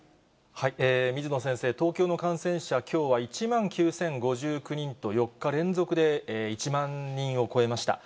水野先生、東京の感染者、きょうは１万９０５９人と、４日連続で１万人を超えました。